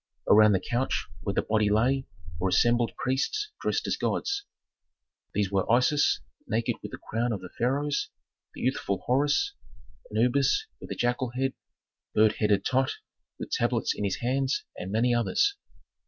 Around the couch where the body lay were assembled priests dressed as gods. These were Isis naked with a crown of the pharaohs, the youthful Horus, Anubis with a jackal head, bird headed Tot with tablets in his hands, and many others.